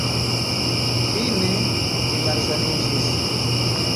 Fine, li malsaniĝis.